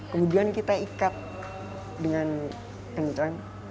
kemudian kita ikat dengan kencrang